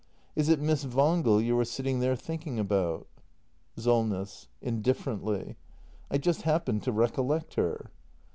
] Is it Miss Wangel you are sitting there thinking about? Solness. [Indifferently.] I just happened to recollect her.